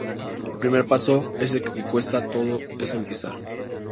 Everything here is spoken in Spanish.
El primer paso es el que cuesta. Todo es empezar